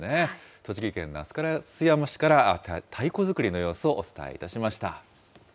栃木県那須烏山市から太鼓作りの様子をお伝えしました。